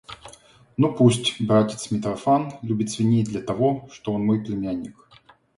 Ну пусть, братец, Митрофан любит свиней для того, что он мой племянник.